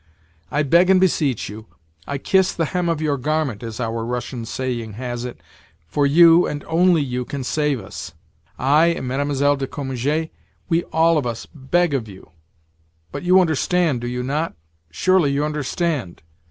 I beg and beseech you, I kiss the hem of your garment, as our Russian saying has it, for you, and only you, can save us. I and Mlle. de Cominges, we all of us beg of you—But you understand, do you not? Surely you understand?"